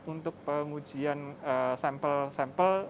untuk pengujian sampel sampel